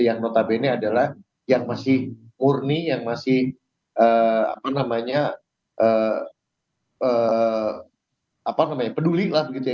yang notabene adalah yang masih murni yang masih peduli lah begitu ya